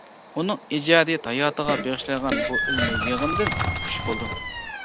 ئۇنىڭ ئىجادىيەت ھاياتىغا بېغىشلانغان بۇ ئىلمىي يىغىندىن خۇش بولدۇم.